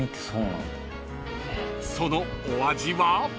［そのお味は？］